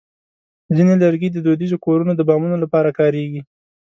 ځینې لرګي د دودیزو کورونو د بامونو لپاره کارېږي.